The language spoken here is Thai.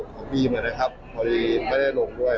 ของบีมนะครับพอดีไม่ได้ลงด้วย